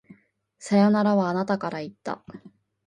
さよならは、あなたから言った。